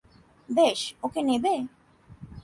বেশ, ওকে নেবে?